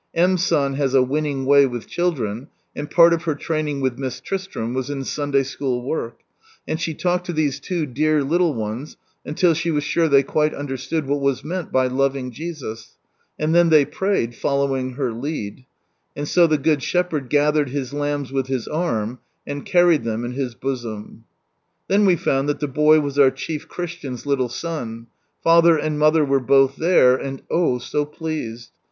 M. San has a winning way with children, and part of her training with Miss Tristram was in Sunday school work ; and she talked to these two dear little ones until she was sure they quite understood what was meant by " loving Jesus," And then ihey prayed, following her lead ; and so the Good Shepherd gathered His lambs with His arm, and carried them in His bosom. Then we found that the boy was our chief Christian's litde son, Father and mother were both there, and oh ! so pleased.